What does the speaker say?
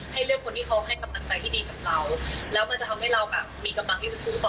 ให้เลือกคนที่เขาให้กำลังใจที่ดีกับเราแล้วมันจะทำให้เราแบบมีกำลังที่จะสู้ต่อ